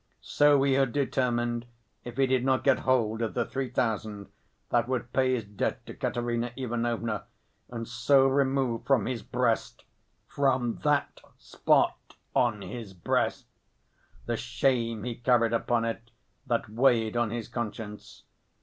So he had determined, if he did not get hold of the three thousand that would pay his debt to Katerina Ivanovna, and so remove from his breast, from that spot on his breast, the shame he carried upon it, that weighed on his conscience.